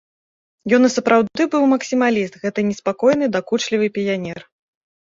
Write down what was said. Ён і сапраўды быў максімаліст, гэты неспакойны, дакучлівы піянер.